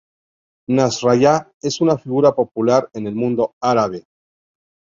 Nasrallah es una figura popular en el mundo árabe.